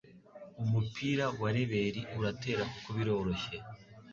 Umupira wa reberi uratera kuko biroroshye.